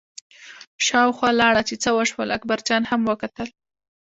شاوخوا لاړه چې څه وشول، اکبرجان هم وکتل.